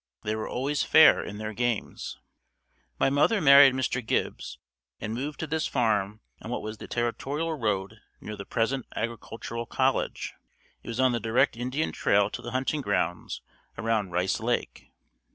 They were always fair in their games. My mother married Mr. Gibbs and moved to this farm on what was the territorial road near the present Agricultural college. It was on the direct Indian trail to the hunting grounds around Rice Lake.